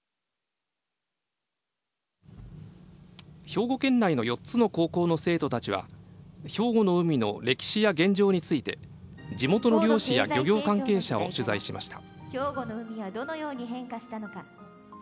兵庫県内の４つの高校の生徒たちは兵庫の海の歴史や現状について地元の漁師や漁業関係者を取材しました。